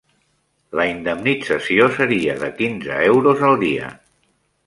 La indemnització seria de quinze euros al dia.